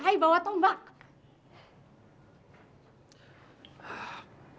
ayah bawa tombak